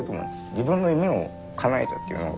自分の夢をかなえたっていうのが。